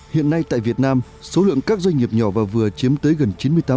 hiện nay tại việt nam số lượng các doanh nghiệp nhỏ và vừa chiếm tới gần chín mươi tám